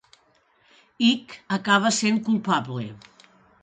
Eek acaba sent culpable.